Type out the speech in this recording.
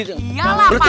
iya lah pasti